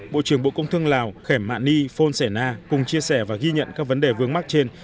bộ trưởng bộ công thương lào khỏe mạ ni phôn sẻ na cùng chia sẻ và ghi nhận các vấn đề vướng mắc trên